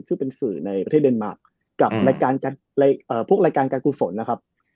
ซึ่งเป็นสื่อในประเทศเดนมาร์คกับรายการพวกรายการการกุศลนะครับ